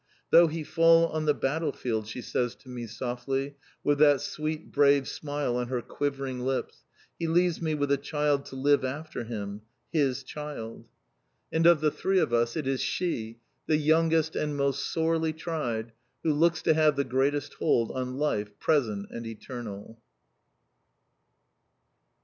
"Though he fall on the battle field," she says to me softly, with that sweet, brave smile on her quivering lips, "he leaves me with a child to live after him, his child!" And of the three of us, it is she, the youngest and most sorely tried, who looks to have the greatest hold on life present and eternal.